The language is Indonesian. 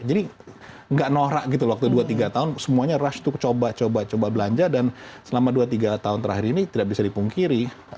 jadi nggak norak gitu waktu dua tiga tahun semuanya rush tuh coba coba belanja dan selama dua tiga tahun terakhir ini tidak bisa dipungkiri